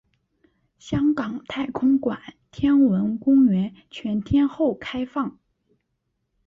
香港太空馆天文公园全天候开放。